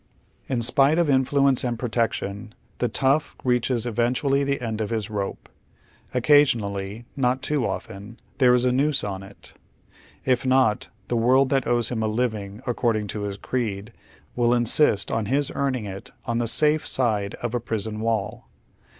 In spite of influence and, protection, the tough reaches eventually the end of liis rope. Occasionally — not too often — there is a noose on it. If not, the world that owes him a living, according to his creed, will insist on his earn ing it on the safe side of a prison wall.